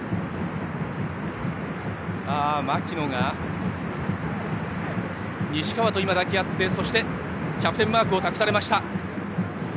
槙野が西川と抱き合ってそして、キャプテンマークを託されました。